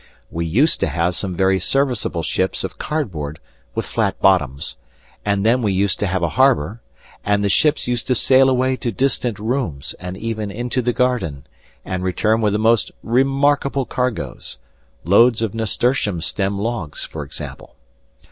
We used to have some very serviceable ships of cardboard, with flat bottoms; and then we used to have a harbor, and the ships used to sail away to distant rooms, and even into the garden, and return with the most remarkable cargoes, loads of nasturtium stem logs, for example.